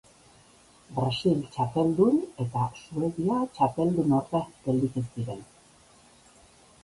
Brasil txapeldun eta Suedia txapeldunorde gelditu ziren.